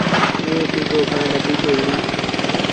ائيٚݩ پيٚنگو کڻي نديٚ تي وُهڙو۔